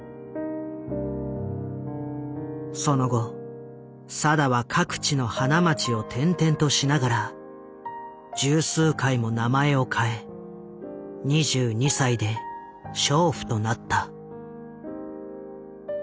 その後定は各地の花街を転々としながら十数回も名前を変え２２歳で娼婦となった。